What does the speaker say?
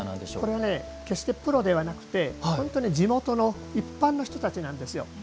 これは決してプロではなくて本当に地元の一般の人たちなんですよ。